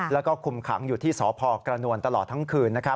แล้วก็คุมขังอยู่ที่สพกระนวลตลอดทั้งคืน